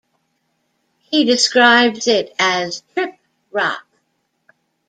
He describes it as "trip rock".